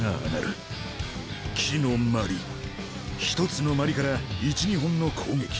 １つの鞠から１２本の攻撃。